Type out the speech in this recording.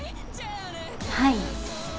はい。